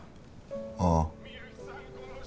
ああ。